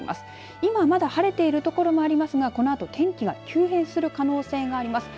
今はまだ晴れている所もありますがこのあと天気が急変する可能性があります。